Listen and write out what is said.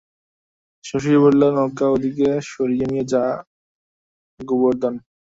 শশী বলিল, নৌকা ওদিকে সরিয়ে নিয়ে যা গোবর্ধন।